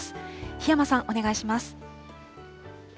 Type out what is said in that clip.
檜山さん、お願いします。